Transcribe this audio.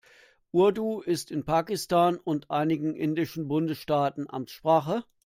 Urdu ist in Pakistan und einigen indischen Bundesstaaten Amtssprache.